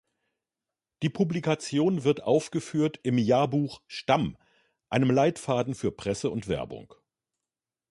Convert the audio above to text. Die Publikation wird aufgeführt im Jahrbuch "Stamm", einem Leitfaden für Presse und Werbung.